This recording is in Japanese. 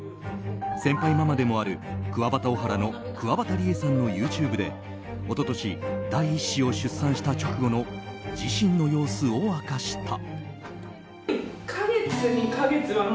先輩ママでもあるクワバタオハラのくわばたりえさんのＹｏｕＴｕｂｅで一昨年、第１子を出産した直後の自身の様子を明かした。